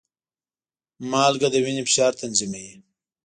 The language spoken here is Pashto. مالګه د وینې فشار تنظیموي.